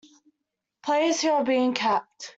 "Players who have been capped".